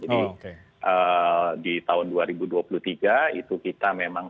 jadi di tahun dua ribu dua puluh tiga itu kita memang